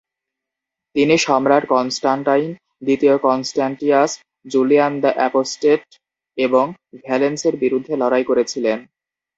তিনি সম্রাট কনস্টানটাইন, দ্বিতীয় কনস্ট্যান্টিয়াস, জুলিয়ান দ্য অ্যাপোস্টেট এবং ভ্যালেনসের বিরুদ্ধে লড়াই করেছিলেন।